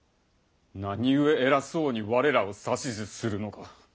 何故偉そうに我らを指図するのか。